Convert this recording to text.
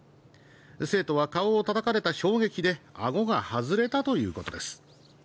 生徒は顔をたたかれた衝撃で顎が外れたということです。